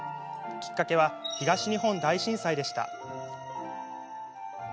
きっかけは東日本大震災でした。